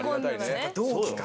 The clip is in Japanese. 同期か。